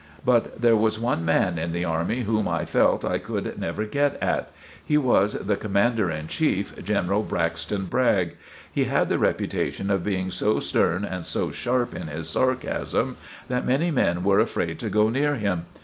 But there was one man in the army whom I felt I could never get at. He was the Commander in chief, General Braxton Bragg. He had the reputation of being so stern and so sharp in his sarcasm, that many men were afraid to go near him.